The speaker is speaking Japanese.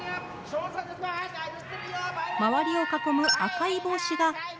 周りを囲む赤い帽子が仲買人。